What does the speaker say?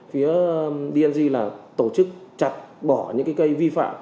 phía bng là tổ chức chặt bỏ những cái cây vi phạm